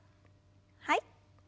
はい。